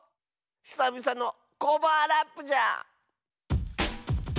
ひさびさのコバアラップじゃ！